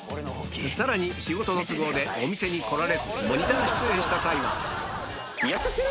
さらに仕事の都合でお店に来られずモニター出演した際はやっちゃってる！